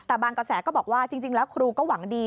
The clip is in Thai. แต่บางกระแสก็บอกว่าจริงแล้วครูก็หวังดี